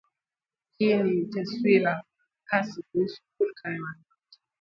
Hii ni taswira hasi kuhusu hulka ya wanawake